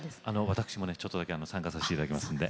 私もちょっとだけ参加させて頂きますんで。